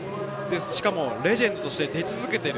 しかもレジェンドとして出続けている。